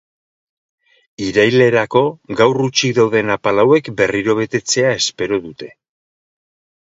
Irailerako gaur hutsik dauden apal hauek berriro betetzea espero dute.